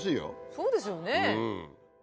そうですよね。